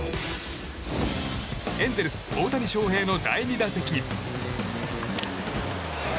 エンゼルス大谷翔平の第２打席。